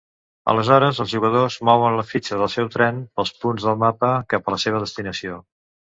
Aleshores els jugadors mouen la fitxa del seu tren pels punts del mapa cap a la seva destinació.